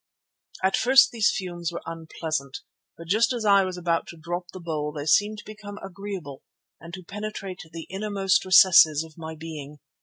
At first these fumes were unpleasant, but just as I was about to drop the bowl they seemed to become agreeable and to penetrate to the inmost recesses of my being.